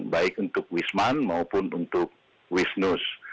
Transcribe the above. baik untuk wisman maupun untuk wisnus